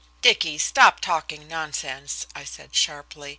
"Dicky, stop talking nonsense!" I said sharply.